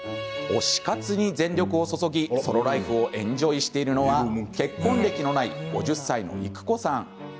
推し活に全力を注ぎソロライフをエンジョイしているのは結婚歴のない５０歳の育子さん。